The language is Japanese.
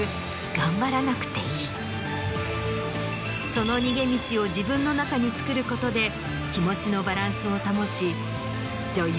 その逃げ道を自分の中に作ることで気持ちのバランスを保ち女優